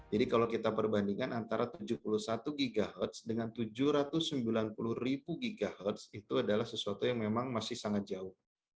jadi kalau kita perbandingkan antara tujuh puluh satu ghz dengan tujuh ratus sembilan puluh ghz itu adalah sesuatu yang memang masih sangat jauh